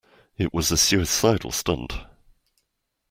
It was a suicidal stunt.